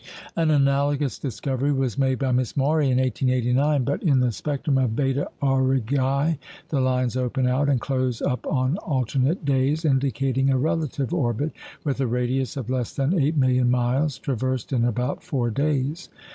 An analogous discovery was made by Miss Maury in 1889. But in the spectrum of Beta Aurigæ, the lines open out and close up on alternate days, indicating a relative orbit with a radius of less than eight million miles, traversed in about four days.